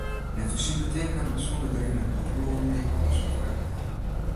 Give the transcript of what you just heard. Neffens syn betinken soene der yn it bûtenlân mear kânsen foar him wêze.